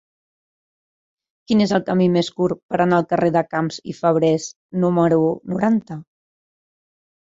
Quin és el camí més curt per anar al carrer de Camps i Fabrés número noranta?